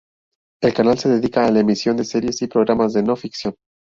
El canal se dedica a la emisión de series y programas de no ficción.